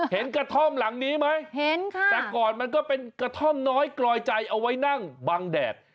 เห็นกระท่อมหลังนี้ไหมเห็นค่ะแต่ก่อนมันก็เป็นกระท่อมน้อยกลอยใจเอาไว้นั่งบังแดด